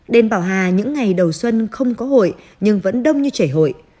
đền bảo hà những ngày đầu xuân không có hội nhưng vẫn đông như chảy hội